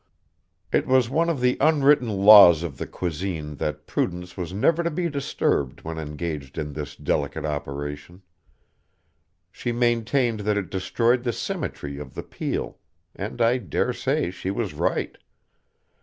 It was one of the unwritten laws of the cuisine that Prudence was never to be disturbed when engaged in this delicate operation. She maintained that it destroyed the symmetry of the peel, and I dare say she was right.